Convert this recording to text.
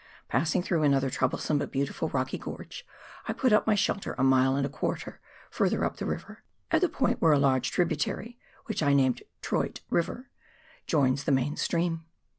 Passing through another troublesome, but beautiful, rocky gorge, I put up my shelter a mile and a quarter further up the river, at the point where a large tributary, which I named " Troyte " River, joins the main stream.